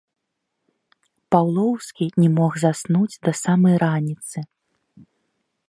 Паўлоўскі не мог заснуць да самай раніцы.